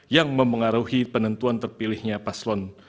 yang mempengaruhi penentuan terpilihnya paslon